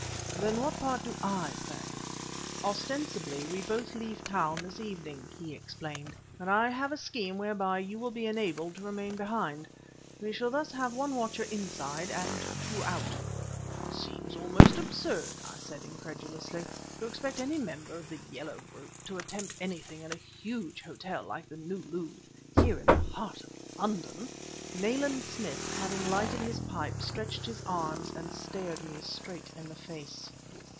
"Then what part do I play?" "Ostensibly we both leave town this evening," he explained; "but I have a scheme whereby you will be enabled to remain behind. We shall thus have one watcher inside and two out." "It seems almost absurd," I said incredulously, "to expect any member of the Yellow group to attempt anything in a huge hotel like the New Louvre, here in the heart of London!" Nayland Smith, having lighted his pipe, stretched his arms and stared me straight in the face.